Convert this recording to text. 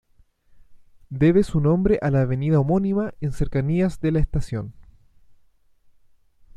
Debe su nombre a la avenida homónima en cercanías de la estación.